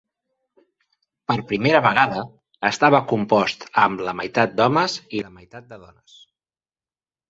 Per primera vegada, estava compost amb la meitat d'homes i la meitat de dones.